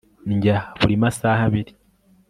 ndya buri masaha abiri